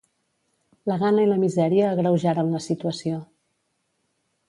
La gana i la misèria agreujaren la situació.